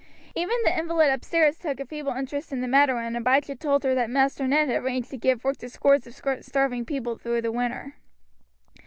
Even the invalid upstairs took a feeble interest in the matter when Abijah told her that Master Ned had arranged to give work to scores of starving people through the winter.